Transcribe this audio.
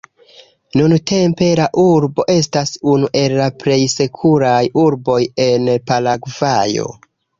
Nuntempe la urbo estas unu el la plej sekuraj urboj en Paragvajo.